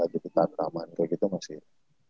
di titik tanraman kayak gitu masih